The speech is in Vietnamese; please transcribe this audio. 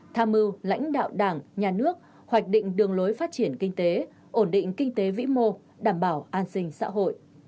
tham mưu lãnh đạo đảng nhà nước hoạch định đường lối phát triển kinh tế ổn định kinh tế vĩ mô đảm bảo an sinh xã hội